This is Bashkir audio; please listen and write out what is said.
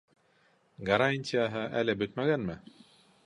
Гарантияһы әле бөтмәгәнме?